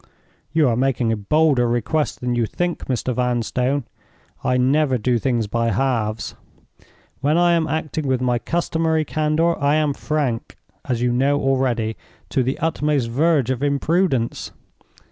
"You are making a bolder request than you think, Mr. Vanstone. I never do things by halves. When I am acting with my customary candor, I am frank (as you know already) to the utmost verge of imprudence.